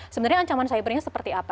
sebenarnya ancaman cybernya seperti apa